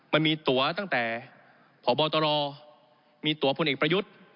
มันมีตัวตั้งแต่พบตรมีตัวพลเอกประยุทธ์